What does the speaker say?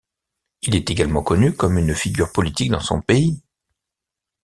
Il est également connu comme une figure politique dans son pays.